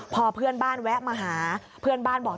พอเพื่อนบ้านแวะมาหาเพื่อนบ้านบอก